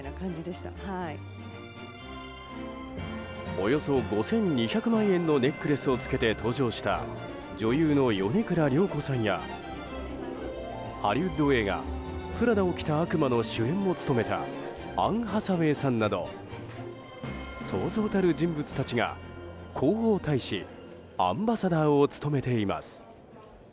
およそ５２００万円のネックレスを着けて登場した女優の米倉涼子さんやハリウッド映画「プラダを着た悪魔」の主演も務めたアン・ハサウェイさんなどそうそうたる人物たちが広報大使アンバサダーを務めています。